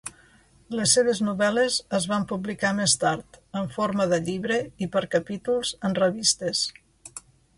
Les seves novel·les es van publicar més tard, en forma de llibre i per capítols en revistes.